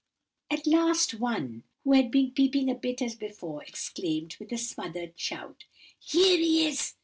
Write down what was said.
"At last, one, who had been peeping a bit as before, exclaimed, with a smothered shout, 'Here he is!